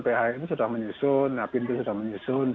ph ini sudah menyusun pintu sudah menyusun